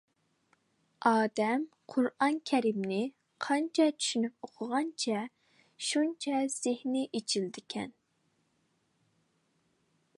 ئادەم قۇرئان كەرىمنى قانچە چۈشىنىپ ئوقۇغانچە شۇنچە زېھنى ئېچىلىدىكەن!